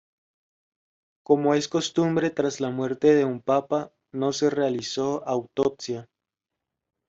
Como es costumbre tras la muerte de un papa, no se realizó autopsia.